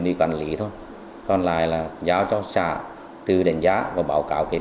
ủy quản lý thôi còn lại là giao cho xã tư đánh giá và báo cáo kết